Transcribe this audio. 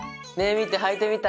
見てはいてみた。